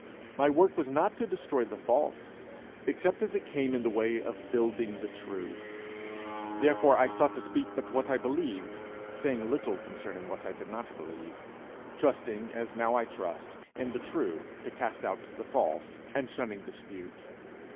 My work was not to destroy the false, except as it came in the way of building the true. Therefore I sought to speak but what I believed, saying little concerning what I did not believe; trusting, as now I trust, in the true to cast out the false, and shunning dispute.